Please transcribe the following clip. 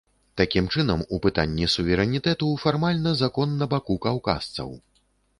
Такім чынам, у пытанні суверэнітэту фармальна закон на баку каўказцаў.